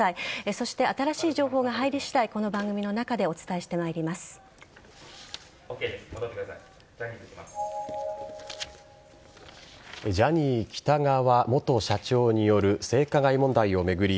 そして新しい情報が入り次第この番組の中でジャニー喜多川元社長による性加害問題を巡り